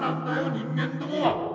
人間どもは。